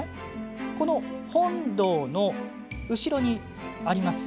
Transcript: この本堂の後ろにあります。